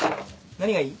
何がいい？